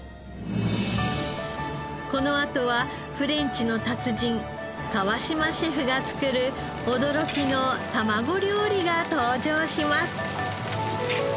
このあとはフレンチの達人川島シェフが作る驚きのたまご料理が登場します。